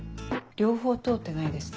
両方通ってないですね。